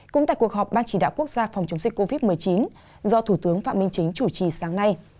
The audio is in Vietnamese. cũng tại cuộc họp ban chỉ đạo quốc gia phòng chống dịch covid một mươi chín do thủ tướng phạm minh chính chủ trì sáng nay